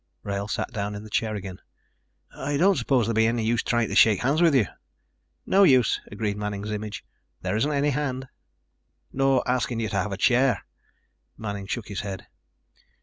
Wrail sat down in the chair again. "I don't suppose there'd be any use trying to shake hands with you." "No use," agreed Manning's image. "There isn't any hand." "Nor asking you to have a chair?" Manning shook his head.